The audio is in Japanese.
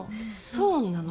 そうなの？